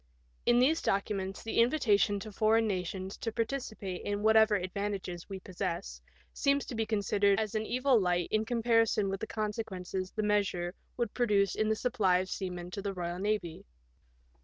In these documents the invitation to foreign nations to participate in whatever advantages we possess seems to be considered as an evil light in comparison with the consequences the measure would produce in the supply of seamen to the Boyal Navy.